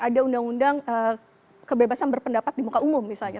ada undang undang kebebasan berpendapat di muka umum misalnya